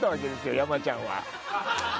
山ちゃんは。